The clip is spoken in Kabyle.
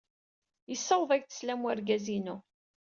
Yessawaḍ-ak-d sslam wergaz-inu.